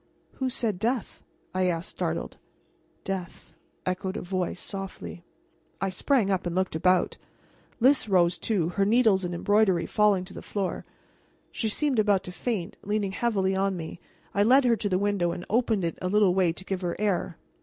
"Who said 'death'?" I asked, startled. "Death," echoed a voice, softly. I sprang up and looked about. Lys rose too, her needles and embroidery falling to the floor. She seemed about to faint, leaning heavily on me, and I led her to the window and opened it a little way to give her air.